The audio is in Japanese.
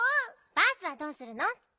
バースはどうするの？